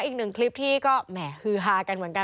อีกหนึ่งคลิปที่ก็แหม่ฮือฮากันเหมือนกัน